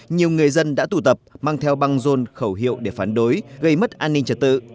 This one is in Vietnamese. nhiều người dân đã tụ tập mang theo băng rôn khẩu hiệu để phán đối gây mất an ninh trật tự